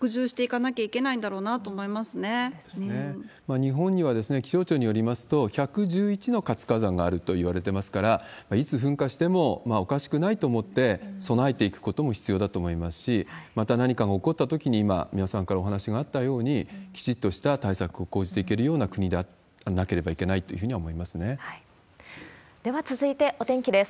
日本には気象庁によりますと、１１１の活火山があるといわれてますから、いつ噴火してもおかしくないと思って備えていくことも必要だと思いますし、また何かが起こったときに、三輪さんからお話があったように、きちっとした対策を講じていけるような国でなければいけないといでは続いてお天気です。